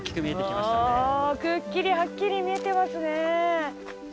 おおくっきりはっきり見えてますね。